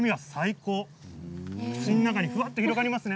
口の中にふわっと広がりますね。